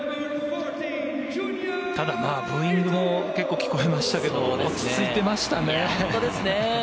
ただブーイングも結構聞こえましたけれども、落ち着いていましたね。